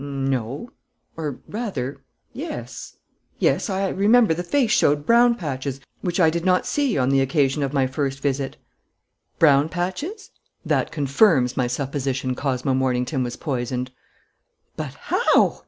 "No ... or rather, yes.... Yes, I remember the face showed brown patches which I did not see on the occasion of my first visit." "Brown patches? That confirms my supposition Cosmo Mornington was poisoned." "But how?"